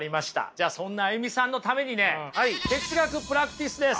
じゃあそんなＡＹＵＭＩさんのためにね哲学プラクティスです！